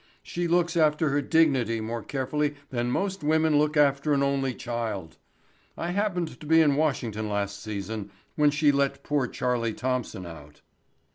She looks after her dignity more carefully than most women look after an only child. I happened to be in Washington last season when she let poor Charlie Thompson out."